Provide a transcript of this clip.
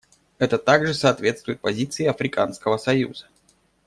Это также соответствует позиции Африканского союза.